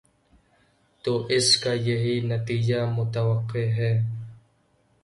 تو اس کا یہی نتیجہ متوقع ہے۔